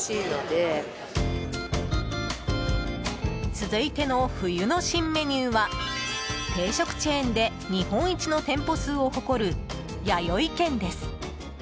続いての冬の新メニューは定食チェーンで日本一の店舗数を誇るやよい軒です。